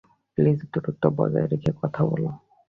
Please, দূরত্ব বজায় রেখে কথা বলো।